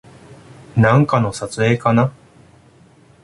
なんかの撮影かな